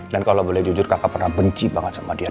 dan kalau boleh jujur kakak pernah benci banget sama dia